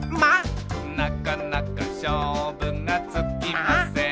「なかなかしょうぶがつきません」